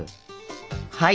はい。